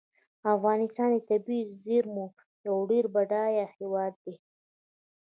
افغانستان د طبیعي زیرمو یو ډیر بډایه هیواد دی.